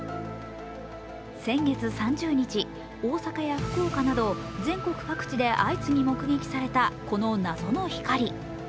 先月３０日、大阪や福岡など全国各地で相次ぎ目撃されたこの謎の光。